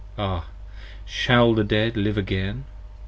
Ah! shall the Dead live again?